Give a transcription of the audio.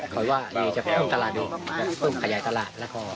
ขอให้จะเพิ่มตลาดดีขยายตลาด